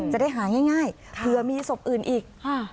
จะได้หาง่ายเผื่อมีศพอื่นอีก